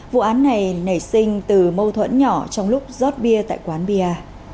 vụ án này nảy sinh từ mâu thuẫn nhỏ trong lúc rót bia tại quán bia